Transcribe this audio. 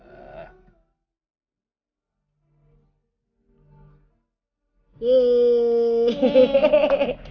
lekap ini kak